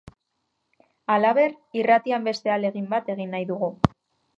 Halaber, irratian beste ahalegin bat egin nahi dugu.